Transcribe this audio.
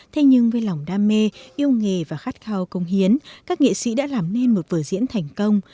thế nhưng với lòng đam mê yêu nghề và khát khao công hiến các nghệ sĩ đã làm nên một vở diễn thành công